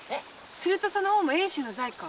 するとその方も遠州の在か？